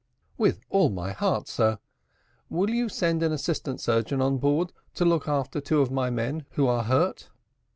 "With all my heart, sir. Will you send an assistant surgeon on board to look after two of my men who are hurt?"